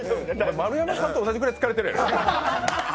丸山さんと同じぐらい疲れてるやろう？